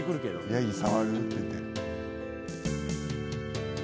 「ヤギ触る？」って言うて。